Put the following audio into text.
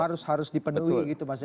harus harus dipenuhi gitu mas ya